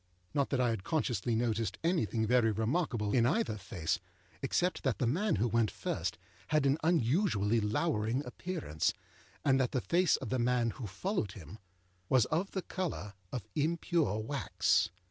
Not that I had consciously noticed anything very remarkable in either face, except that the man who went first had an unusually lowering appearance, and that the face of the man who followed him was of the colour of impure wax.